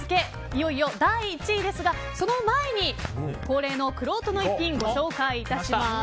いよいよ第１位ですがその前に、恒例のくろうとの逸品ご紹介致します。